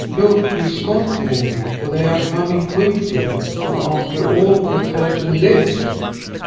Look, he has got there, for they are coming quickly, who after all prefer to live."